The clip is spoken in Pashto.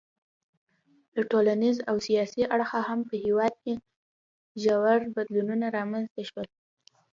له ټولنیز او سیاسي اړخه هم په هېواد کې ژور بدلونونه رامنځته شول.